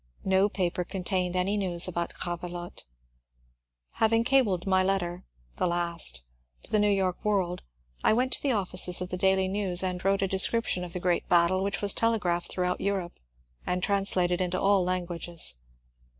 No paper contained any news about Gravelotte. Having cabled my letter (the last) to the " New York World," I went to the offices of the ^^ Daily News " and wrote a description of the great battle which was telegraphed throughout Europe and translated into all languages.